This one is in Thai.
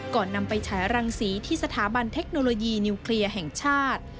นำไปฉายรังสีที่สถาบันเทคโนโลยีนิวเคลียร์แห่งชาติ